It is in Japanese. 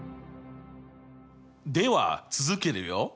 では続けるよ。